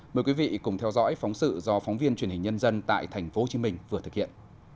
mời quý vị cùng theo dõi phóng sự do phóng viên truyền hình nhân dân tại tp hcm vừa thực hiện